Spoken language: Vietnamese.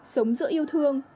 sống giữa yêu thư